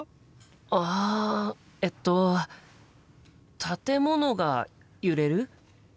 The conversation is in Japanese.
あえっと建物が揺れる？